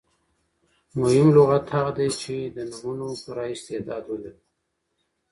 مهم لغت هغه دئ، چي د نومونو پوره استعداد ولري.